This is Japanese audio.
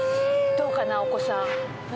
どうかなお子さん。